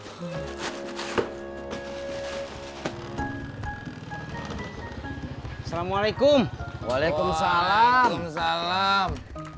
assalamualaikum waalaikumsalam waalaikumsalam